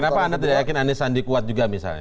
kenapa anda tidak yakin anies sandi kuat juga misalnya